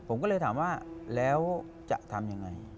ผมก็เลยถามว่าแล้วจะทำยังไง